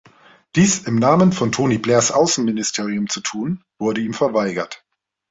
Dies im Namen von Tony Blairs Außenministerium zu tun, wurde ihm verweigert.